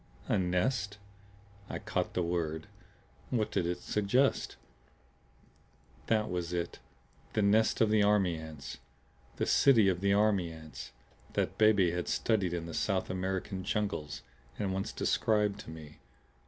"A nest?" I caught the word. What did it suggest? That was it the nest of the army ants, the city of the army ants, that Beebe had studied in the South American jungles and once described to me.